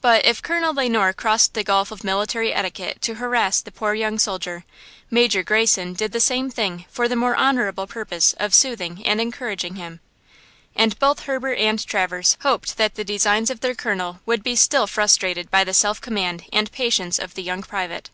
But, if Colonel Le Noir crossed the gulf of military etiquette to harass the poor young soldier, Major Greyson did the same thing for the more honorable purpose of soothing and encouraging him. And both Herbert and Traverse hoped that the designs of their Colonel would be still frustrated by the self command and patience of the young private.